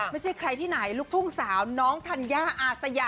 ไม่ใช่ใครที่ไหนลูกทุ่งสาวน้องธัญญาอาสยา